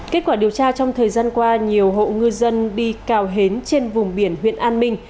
kết quả điều tra trong thời gian qua nhiều hộ ngư dân đi cào hến trên vùng biển huyện an minh